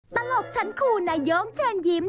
ตลกชั้นคู่นายงเชิญยิ้ม